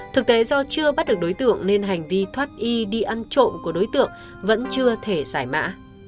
thực tế do chưa bắt được đối tượng nên hành vi thoát y đi ăn trộm của đối tượng vẫn chưa thể giải mã